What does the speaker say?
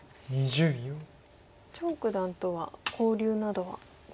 張九段とは交流などはございますか？